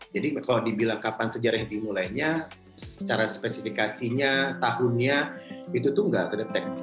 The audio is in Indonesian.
jadi kalau dibilang kapan sejarah yang dimulainya secara spesifikasinya tahunnya itu tuh nggak terdeteksi